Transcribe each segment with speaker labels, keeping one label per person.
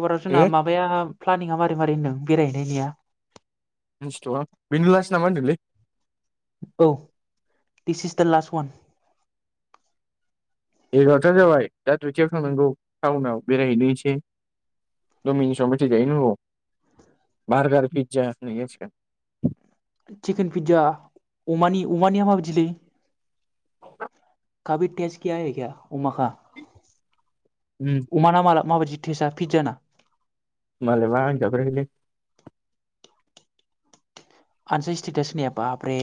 Speaker 1: एबाराव जोंना
Speaker 2: है
Speaker 1: माबाया प्लानिङा मारै मारै होनदों बेरायहैनायनिया?
Speaker 2: मिथिथ'वा बेनो लास्ट नामा होनदोंलै।
Speaker 1: औ दिस इस दा लास्ट वान।
Speaker 2: एगार'ता जाबाय दा दुइथायाव थांनांगौ टाउनाव बेरायहैनो एसे दमिनिसाव मेथाइ जाहैनांगौ बार्गार पिज्जा [unintelligible]
Speaker 1: चिकेन पिज्जा अमानि अमानिया माबायदिलै काबि टेस्ट किया हे क्या अमा का?
Speaker 2: उम
Speaker 1: अमाना माला माबायदि टेस्टा पिज्जाना?
Speaker 2: मालायबा आं जाफेराखैलै।
Speaker 1: आनसाय स्टेटास होनाया बाप रे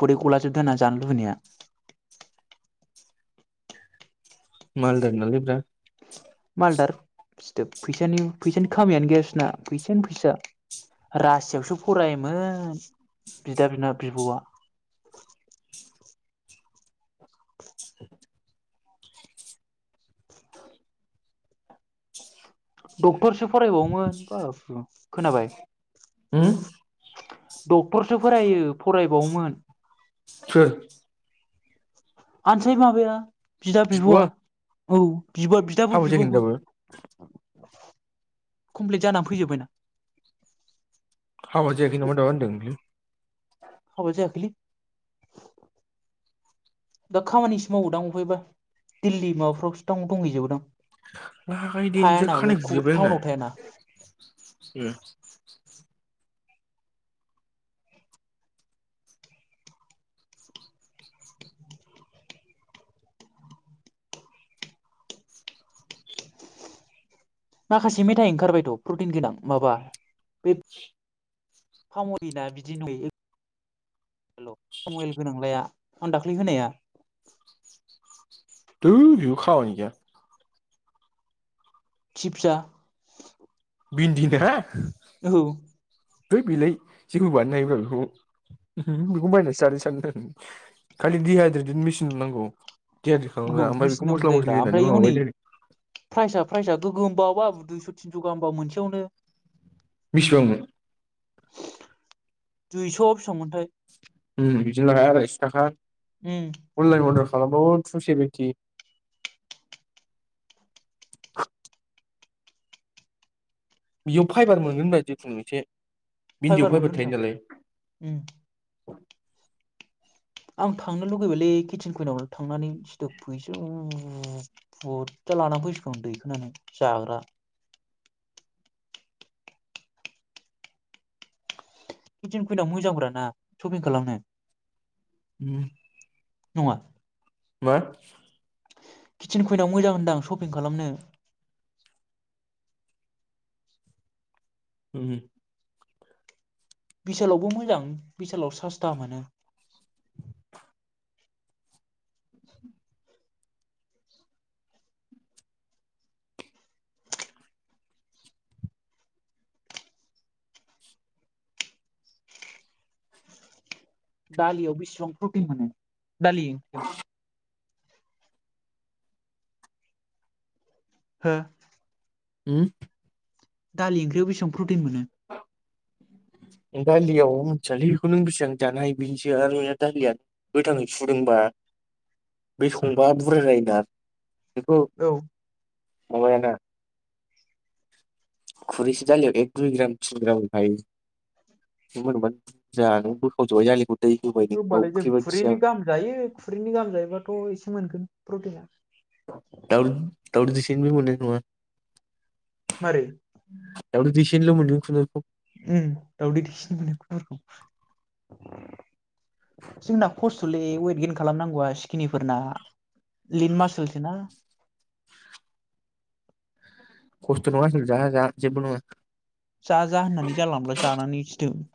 Speaker 1: खदै गलाजोबदों आना जानो लुबैनाया।
Speaker 2: मालदार नालाय ब्रा।
Speaker 1: मालदार‌ सिथोब फैसानि फैसानि खामियानो गैया बिसोना फैसायानो फैसा। रासियावसो फरायोमोन बिदा बिना बिब'आ।
Speaker 2: [inaudible]
Speaker 1: डक्टरसो फरायबावोमोन बाबु खोनाबाय।
Speaker 2: होम
Speaker 1: डक्टरसो फोरायो फरायबावोमोन।
Speaker 2: [unintelligible]
Speaker 1: आनसाय माबाया बिदा बिब'आ औ बिबा बिदाबो
Speaker 2: हाबा जायाखै
Speaker 1: बिब'वो।
Speaker 2: दाबो
Speaker 1: कमप्लिट जाना फैजोब्बायना?
Speaker 2: हाबा जायाैख
Speaker 1: अ
Speaker 2: नामा दाबा होनदों।
Speaker 1: हाबा जायाखैलै। दा खामानिसो मावोदां अबायबा दिल्ली माबाफ्रावसो दां दंहैजोबोदां?
Speaker 2: लागाय देनजार
Speaker 1: थायाना बे
Speaker 2: खानाय गुजोब्बाय आंना
Speaker 1: टाउनाव थायाना
Speaker 2: उम।
Speaker 1: माखासे मेथाइ ओंखारबायथ' प्रटिन गोनां माबा बे फामदिना बिदि नुयो। [unintelligible] गोनांलाया आं दाख्लि होनाया।
Speaker 2: दुइ बेबो खामानि गैया।
Speaker 1: सिपजसा।
Speaker 2: बिन्दि [unintelligible]
Speaker 1: औ।
Speaker 2: दुइ बेलाय जेखौ बानायनो हायो बेखौ बेखौ बायनानैसो जादों सान खालि दिहाइद्रेटजों मेसिन नांगौ दिहाइद्रेट
Speaker 1: औ
Speaker 2: खालामग्रा ओमफ्राय बेखौ मस्ला मस्लि होनानै माबाबाय
Speaker 1: प्राइजआ प्राइजआ गोगोमबाव बाबु दुइस' थिनस' गाहामबाव मोनसेयावनो
Speaker 2: बेसेबांमोन
Speaker 1: दुइस' बेसेबांमोनथाय
Speaker 2: उम बिदिनो आरायस' थाखा।
Speaker 1: उम।
Speaker 2: अनलाइन अर्डार खालामबाबो थु सेभेेनटि। बेयाव फाइबार मोनगोन बा जिखुनु मोनसे।
Speaker 1: फाइबार मोनगोन थां उम। आं थांनो लुुगैबायलै किटचन खुयनाव थांनानै [unintelligible] फैसा बुरजा लानानै फैसिगौ आं दैखोनानै जाग्रा। किटिन कुइनाव मोजां ब्रा ना सपिं खालामनो।
Speaker 2: उम।
Speaker 1: नङा।
Speaker 2: मा
Speaker 1: किचेन कुइनाव मोजां होनदां सपिं खालामनो।
Speaker 2: उम।
Speaker 1: भिसालावबो मोजां बिसालाव सासथा मोनो। दालियाव बेसिबां प्रटिन मोनो दालि हो
Speaker 2: उम।
Speaker 1: दालि ओंख्रियाव बेसेबां प्रटिन मोनो।
Speaker 2: [inaudible] दालियाव मिथियालै बेखौ नो बेसेबां जानो हायो बेनोसै आरो दालिया गोथाङै सुदोंबा बे संबा बुरजा जायोना। बेखौ
Speaker 1: औ
Speaker 2: माबायाना। खुरिसे दालि दुइ ग्राम थिन ग्रामखायो होनबा बुरजानो बोखाव जबाय आलिखौ दै होबाय ना बा
Speaker 1: होमबालाय जों
Speaker 2: ओंख्रि
Speaker 1: खुरैनै
Speaker 2: बायदिसिना
Speaker 1: गाहाम जायो खुरैनि गाहाम जायोबाथ' एसे मोनगोन प्रटिना
Speaker 2: दाव दाव दिसेनखौनो मोननाय नङा।
Speaker 1: मारै
Speaker 2: ए दावदै दैसेनिल मोनदों खुनुरुखुम
Speaker 1: उ दावदै दैसेनो मोनो खुनुरुखुम। जोंना खस्थ'लै वेट गेन खालामनांगौआ सिखिनिफोरना लिन मासलसो ना।
Speaker 2: खस्थ [unintelligible] जाया जाया जेबो नङा।
Speaker 1: जा जा होननानै जानला मोनला जानानै सिथोब।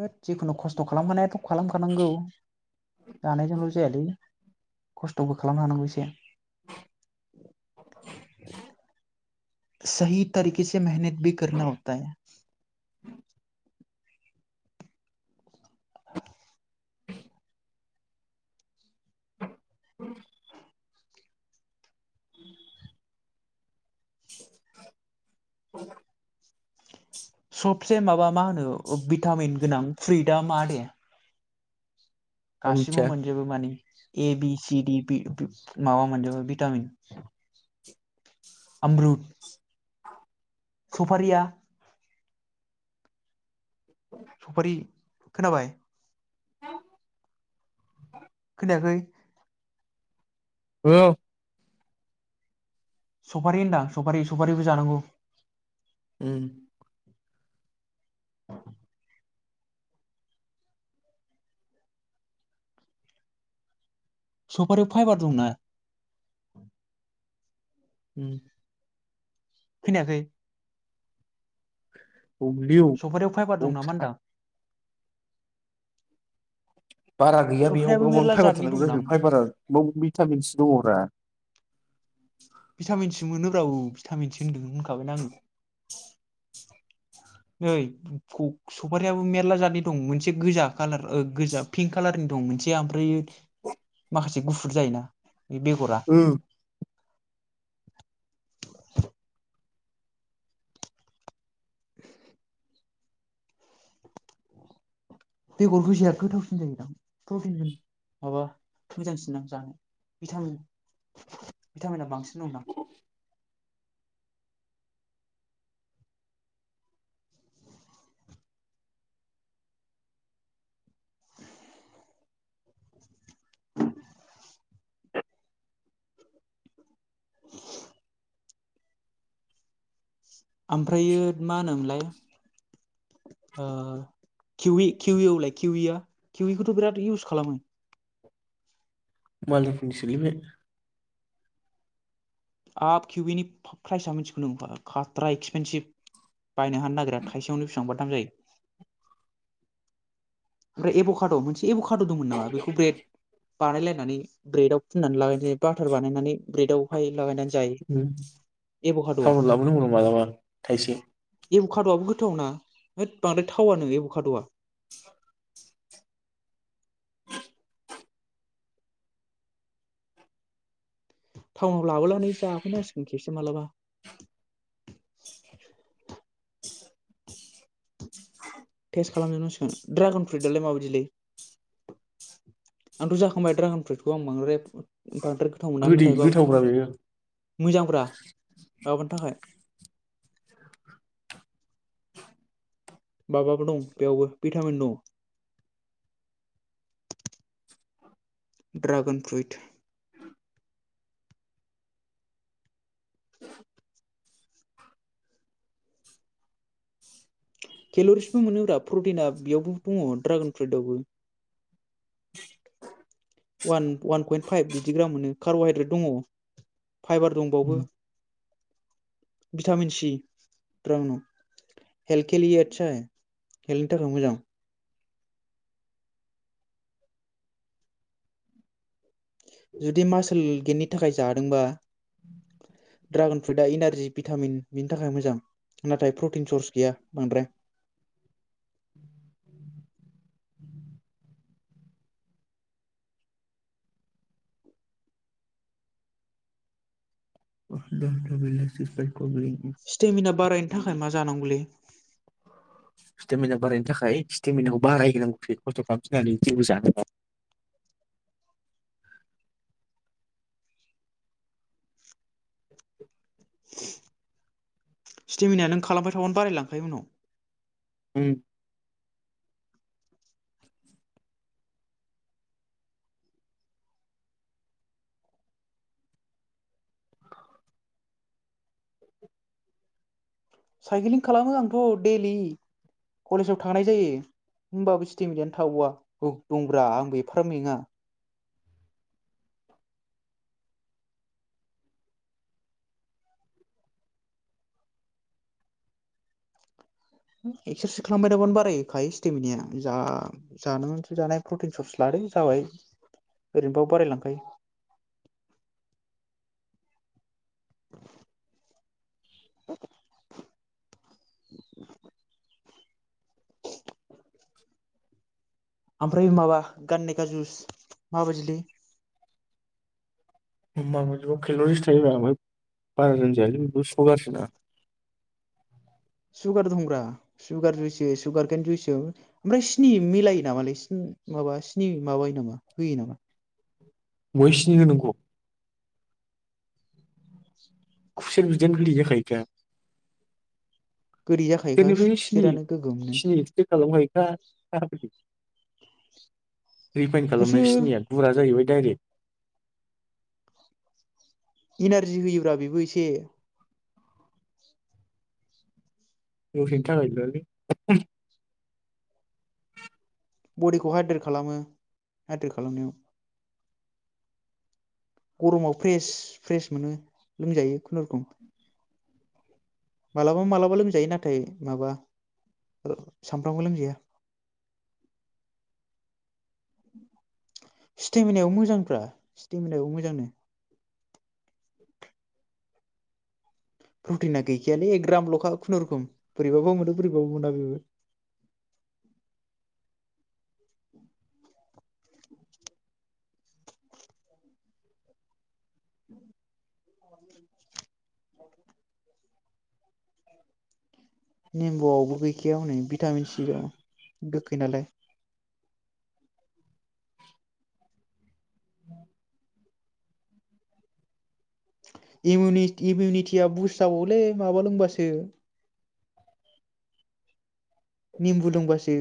Speaker 1: होद जिखुनु खस्थ' खालामखानायाथ' खालामखानांगौ। जानायजोंल' जायालै खस्थ'बो खालामनो हानांगौ एसे। सोहि तरिकेसे मेहेनेत बि करना हता है।
Speaker 2: [inaudible] [inaudible] [inaudible] [inaudible]
Speaker 1: सबसे माबा मा होनो भिटामिन गोनां फ्रुयद आ मा होनो?
Speaker 2: आं
Speaker 1: गासिबो
Speaker 2: मिथिया
Speaker 1: मोनजोबो मानि ए बि सि डि माबा मोनजोबो भिटामिन। आमरुद सफारिया
Speaker 2: [inaudible]
Speaker 1: सफारि खोनाबाय?
Speaker 2: [inaudible]
Speaker 1: खोनायाखै?
Speaker 2: औ
Speaker 1: सफारि होनदां सफारि सफारिबो जानांगौ।
Speaker 2: उम
Speaker 1: सफारियाव फाइबार दंना?
Speaker 2: उम
Speaker 1: खोनायाखै?
Speaker 2: औ लै औ
Speaker 1: सफारियाव फाइबार दं नामा होनदां
Speaker 2: बारा गैया
Speaker 1: सफ्रायाबो
Speaker 2: बेयावबो
Speaker 1: मेरला
Speaker 2: फाइबार
Speaker 1: जातनि
Speaker 2: थानांगौ
Speaker 1: दंना
Speaker 2: फाइबारा भिटामिनसो दङरा।
Speaker 1: भिटामिन सो मोनोब ब्रा औ भिटामिनस होनदों होनखाबायना आङो। ओइ सफारियाबो मेरला जादनि दं मोनसे गोजा कालार गोजा पिंक कालारनि दं मोनसे ओमफ्राय माखासे गुफुर जायोना बेगरा
Speaker 2: ओम
Speaker 1: [inaudible] बेगर गोजाया गोथावसिन जायोदां प्रटिन माबा मोजांसिन दां जानो। भिटामिन भिटामिना बांसिन दंना? [inaudible] ओमफ्रायो मा होनोमोनलाय? ओ किउरि किउरिखौलाय किउरिखौलाय किउइ खौथ' बिराद इउस खालामो।
Speaker 2: मालदारफोरनिसोलै बे।
Speaker 1: आप किउइनि ब प्राइसाआ मिथिगौ ना खाट्रा एक्सपेनसिभ। बायनो हानो नागिरा थाइसेयावनो बिसिबांबा दाम जायो। ओमफ्राय एब'काड' मोनसे एब'काड' दंमोन नामा बेखौ ब्रेड बानायलायनानै ब्रेडाव फुननानै लागायनोसै बाटार बानायनानै ब्रेडावहाय लागायनानै जायो
Speaker 2: उम
Speaker 1: एबका द'।
Speaker 2: टाउनाव लाबोनांगौनो मालाबा थाइसे
Speaker 1: एब' खाद'वबो गोथावना होद बांद्राय थावा नो एब' खाद'वआ। टाउनाव लाबोनानै जाफैनांसिगोन खेबसे मालाबा। टेस्ट खालामजोबनांसिगोन ड्रागन फ्रुइटआलाय माबायदिलै? आंथ' जाखांबाय द्रागन फ्रुइडखौ आं बांद्राय बांद्राय गोथाव मोना
Speaker 2: गोदै
Speaker 1: नाथायबा
Speaker 2: गोथावब्रा बेयो
Speaker 1: मोजांब्रा माबानि थाखाय माबाबो दं बेयावबो भिटामिन दं। ड्रागन फ्रुइट
Speaker 2: [inaudible]
Speaker 1: केेल'रिसबो मोनोब्रा प्रटिना बेयावबो दङ ड्रागन फ्रुइटवबो। अवान अवान पइन्ट फाइभ बिदि ग्राम मोनो कार्ब'हाइद्रेट दङ फाइबार दंबावो। भिटामिन सि हेल्थ खेलेयो आटसा हेल्थनि थाखाय मोजां। जुदि मार्सेल गेमनि थाखाय जादोंबा। ड्रागन फ्रुइटआ इनारजि भिटामिन बिनि थाखाय मोजां। नाथाय प्रटिन सर्स गैया बांद्राय।
Speaker 2: [inaudible] [unintelligible]
Speaker 1: स्टेमिना बारायनो थाखाय मा जानांगौलै?
Speaker 2: स्टेमिना बारायनो थाखाय स्टेमिनाखौ बाराय होनांगौसो खस्थ' खालामसिननानै जेबो जानोबा।
Speaker 1: स्टेमिनायख नों खालामबाय थाबानो बारायलांखायो उनाव।
Speaker 2: उम।
Speaker 1: साइकिलिं खालामो आंथ' डैलि कलेजाव थांनाय जायो होमबाबो स्टिमिनायानो थाबावा औ दंब्रा आंबो एफा मेङा। एक्सारसाइस खालामबाय थाबानो बारायखायो स्टेमिनिया जा जानानैथ' जानाय प्रटिन सर्स लादो जाबाय ओरैनोबाबो बारायलांखायो। [unintelligible] [inaudible] [inaudible] ओमफ्राय माबा गान्ने का जुस माबायदिलै?
Speaker 2: हा माबा बियाव खेल'रिस थायोब्रा ओमफ्राय बारा लोंजायालै बे बचसतुवा गारजिना।
Speaker 1: सुगार दंब्रा सुगार जुइसो सुगारकेन जुइससो। ओमफ्राय सिनि मिलायो नामालोय सि माबा स्नि माबायो नामा होयो नामा?
Speaker 2: अबेहा सिनि होनांगौ? खुसेर बिदैयानो गोदै जाखायो दा।
Speaker 1: गोदै जाखायोखा खुसेरानो गोगोमनो।
Speaker 2: गोदै खालामखायोखा [unintelligible] रिफाइन खालामनाय
Speaker 1: सोर
Speaker 2: सिनिया गुरा जाहैबाय दाइरेक्ट।
Speaker 1: इनारजि होयोब्रा बेबो एसे।
Speaker 2: दसेनि थाखायायल'लै।
Speaker 1: बडिखौ हाइद्रेट खालामो हाइद्रेट खालामनायाव। गरमाव फ्रेस फ्रेस मोनो लोंजायो खुनुरुखुम। मालाबा मालाबा लोंजायो नाथाय माबा ओ सामफ्रामबो लोंजाया। स्टेमिनायाव मोजांब्रा स्टेमिनायावबो मोजांनो। प्रटिना गैखायालै एक ग्रामल'खा खुनुरुखुम बोरैबाबो मोनो बोरैबाबा मोना बेबो। नेम्बुआवबो गैखाया हनै भिटामिन सि दं गोखै नालाय। इमिउनिटि-इमिउनिटिया बुस्ट जाबावलै माबा लोंबासो निमबु लोंबासो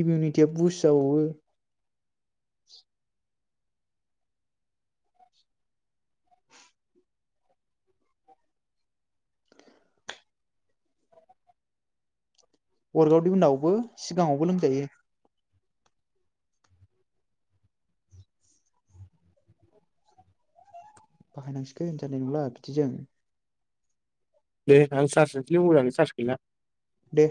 Speaker 1: इमिउनिटिया बुस्ट जाबावो। वरक आवटनि उनावबो सिगाङावबो लोंजायो। बाहायनांसिगोन जानाय नंला बिदिजों।
Speaker 2: दे आं सार्स होनोसैलै मबाइलआनो सार्स गैला।
Speaker 1: दे।